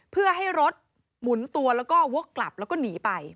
เพื่อให้รถหมุนตัวแล้วก็วกกลับแล้วก็หนีไป